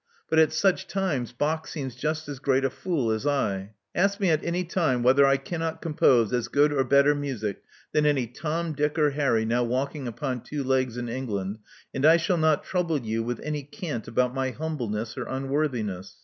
But at such times Bach seems just as great a fool as I. Ask me at any time whether I cannot com pose as good or better miisic than any Tom, Dick, or Harry now walking upon two legs in England; and I shall not trouble you with any cant about my humble ness or un worthiness.